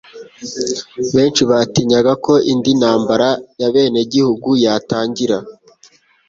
Benshi batinyaga ko indi ntambara y'abenegihugu yatangira